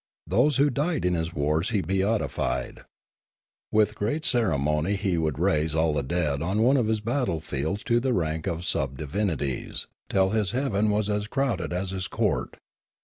Those who died in his wars he beatified. With great ceremony he would raise all the dead on one of his battle fields to the rank of sub divinities, till his heaven was as crowded as his court.